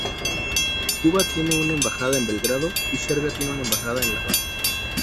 Cuba tiene una embajada en Belgrado y Serbia tiene una embajada en La Habana.